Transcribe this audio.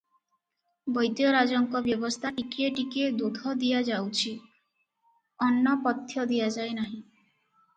ବୈଦ୍ୟରାଜଙ୍କ ବ୍ୟବସ୍ଥା ଟିକିଏ ଟିକିଏ ଦୁଧ ଦିଆ ଯାଉଛି, ଅନ୍ନ ପଥ୍ୟ ଦିଆଯାଇ ନାହିଁ ।